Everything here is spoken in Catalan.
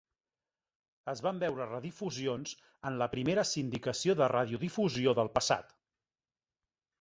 Es van veure redifusions en la primera sindicació de radiodifusió del passat.